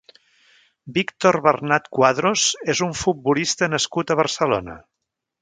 Víctor Bernat Cuadros és un futbolista nascut a Barcelona.